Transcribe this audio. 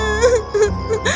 aku tidak bisa